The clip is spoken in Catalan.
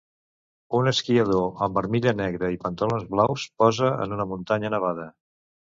Un esquiador amb armilla negra i pantalons blaus posa en una muntanya nevada.